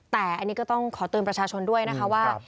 แต่อันนี้ก็ต้องขอเตือนประชาชนด้วยนะคะว่า